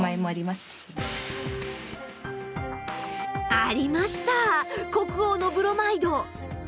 ありました国王のブロマイド！